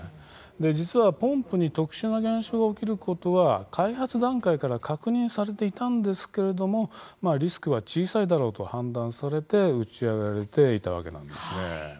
実は、ポンプに特殊な現象が起きることは開発段階から確認されていたんですけれどもリスクは小さいだろうと判断されて打ち上げられていたわけなんです。